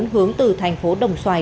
hướng từ thành phố đồng xoài